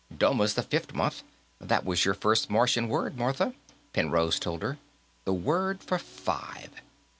"Doma's the fifth month. That was your first Martian word, Martha," Penrose told her. "The word for five.